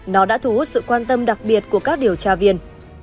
nó đã thu hút sự quan tâm đặc biệt của các điều tra viên